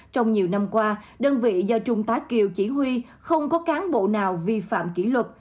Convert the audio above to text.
trong nhiều năm qua đơn vị do trung tá kiều chỉ huy không có cán bộ nào vi phạm kỷ luật